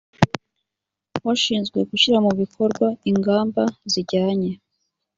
ushinzwe gushyira mu bikorwa ingamba zijyanye